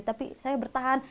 tapi saya bertahan